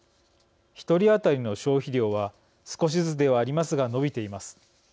１人当たりの消費量は少しずつではありますが伸びています。